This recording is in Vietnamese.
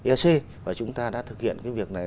ec và chúng ta đã thực hiện cái việc này